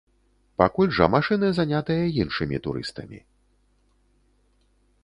Пакуль жа машыны занятыя іншымі турыстамі.